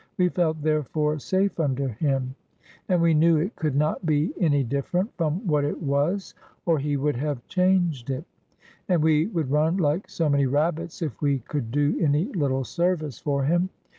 We felt, therefore, safe under him, and we knew it could not be any different from what it was or he would have changed it; and we would run like so many rabbits if we could do any little service for him.